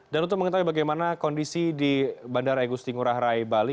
dan untuk mengetahui bagaimana kondisi di bandara agusti ngurah rai bali